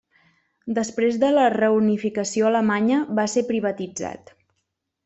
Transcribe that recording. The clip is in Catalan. Després de la reunificació alemanya va ser privatitzat.